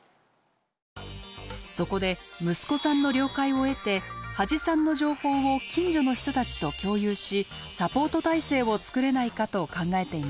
そこで息子さんの了解を得て土師さんの情報を近所の人たちと共有しサポート体制を作れないかと考えています。